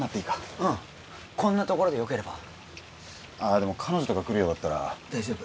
うんこんな所で良ければでも彼女とか来るようだったら大丈夫